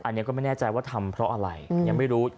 อันนี้ก็ไม่แน่ใจว่าทำเพราะอะไรยังไม่รู้